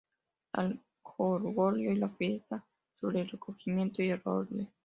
Al jolgorio y la fiesta sobre el recogimiento y el orden.